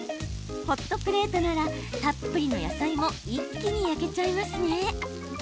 ホットプレートならたっぷりの野菜も一気に焼けちゃいますね。